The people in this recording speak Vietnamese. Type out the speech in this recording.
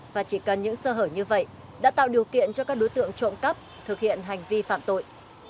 và chỉ cần những sơ hở như vậy đã tạo điều kiện cho các đối tượng trộm cắp thực hiện hành vi phạm tội